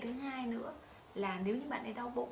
thứ hai nữa là nếu như bạn ấy đau bụng